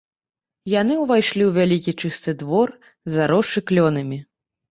Яны ўвайшлі ў вялікі, чысты двор, заросшы клёнамі.